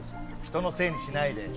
人のせいにしないでよ。